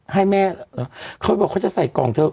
ให้แม่เขาบอกเขาจะใส่กล่องเถอะ